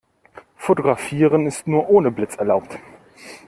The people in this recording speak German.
Fotografieren ist nur ohne Blitz erlaubt.